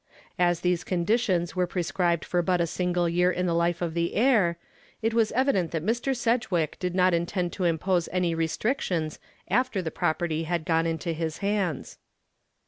As these conditions were prescribed for but a single year in the life of the heir, it was evident that Mr. Sedgwick did not intend to impose any restrictions after the property had gone into his hands.